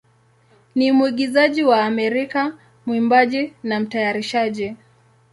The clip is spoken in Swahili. ni mwigizaji wa Amerika, mwimbaji, na mtayarishaji.